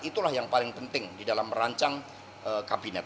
itulah yang paling penting di dalam merancang kabinet